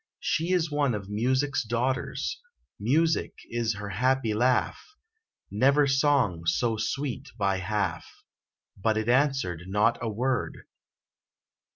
She is one of Music's daughters Music is her happy laugh; Never song so sweet by half." But it answered not a word.